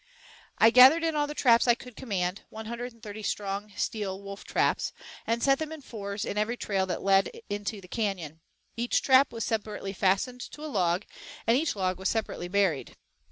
I gathered in all the traps I could command, one hundred and thirty strong steel wolf traps, and set them in fours in every trail that led into the canyon; each trap was separately fastened to a log, and each log was separately buried.